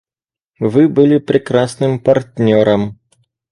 Вы были прекрасным партнером.